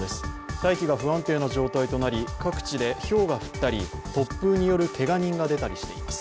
大気が不安定な状態となり、各地でひょうが降ったり、突風によるけが人が出たりしています。